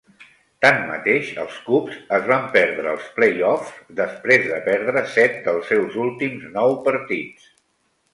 Tanmateix, els Cubs es van perdre els play-offs després de perdre set dels seus últims nou partits.